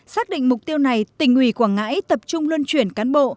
xác định mục tiêu này tỉnh ủy quảng ngãi tập trung luân chuyển cán bộ